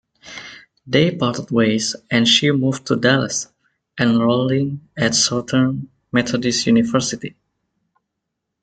They parted ways and she moved to Dallas, enrolling at Southern Methodist University.